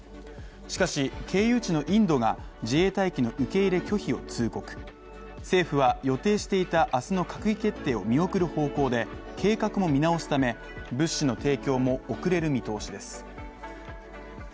しかし経由地のインドが自衛隊機の受け入れ拒否を通告、政府は予定していた明日の閣議決定を見送る方向で計画を見直すため、物資の提供も遅れる見通しです。